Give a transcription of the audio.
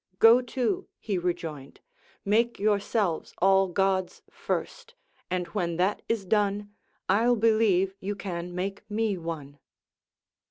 Go to, he rejoined, make yourselves all Gods first ; and when that is done, I'll believe you can make me one.